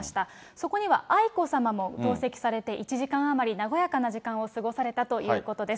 そこには愛子さまも同席されて、１時間余り、和やかな時間を過ごされたということです。